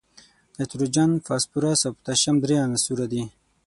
نایتروجن، فاسفورس او پوتاشیم درې عنصره دي.